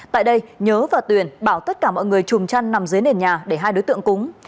tại đây nhớ và tuyền bảo tất cả mọi người trùm chăn nằm dưới nền nhà để hai đối tượng cúng